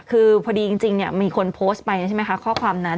คือพอดีจริงมีคนโพสต์ไปใช่ไหมคะข้อความนั้น